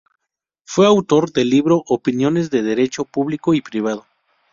Fue autor del libro "Opiniones de Derecho público y privado".